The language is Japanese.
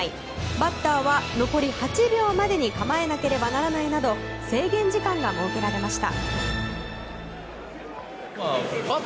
バッターは、残り８秒前までに構えなければならないなど制限時間が設けられました。